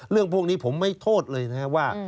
เรื่องพวกนี้ผมไม่โทษเลยนะครับว่า